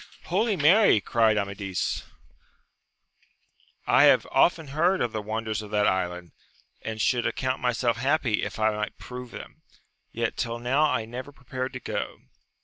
Holy Mary ! cried Amadis, I have often heard of the wonders of that island, and should account myself happy if I might prove them, yet tiU now I never prepared to go